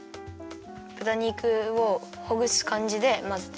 ぶた肉をほぐすかんじでまぜて。